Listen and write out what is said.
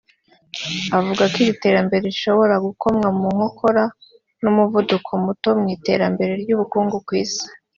avuga ko iri terambere rishobora gukomwa mu nkokora n’umuvuduko muto mu iterambere ry’ ubukungu ku isi